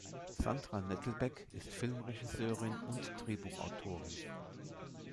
Sandra Nettelbeck ist Filmregisseurin und Drehbuchautorin.